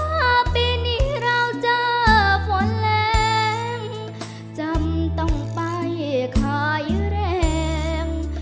ว่าปีนี้เราเจอฝนแรงจำต้องไปขายแรง